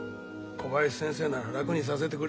小林先生なら楽にさせてくれるよ。